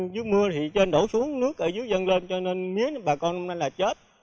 dưới mưa thì trên đổ xuống nước ở dưới dâng lên cho nên mía bà con nên là chết